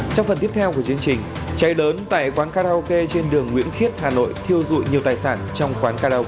trong phần tiếp theo của chương trình cháy lớn tại quán karaoke trên đường nguyễn khiết hà nội thiêu dụi nhiều tài sản trong quán karaoke